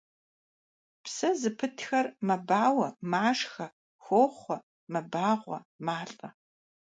Псэ зыпытхэр мэбауэ, машхэ, хохъуэ, мэбагъуэ, малӀэ.